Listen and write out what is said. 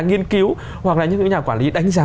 nghiên cứu hoặc là những nhà quản lý đánh giá